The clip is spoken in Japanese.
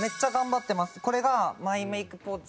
これがマイメイクポーチ。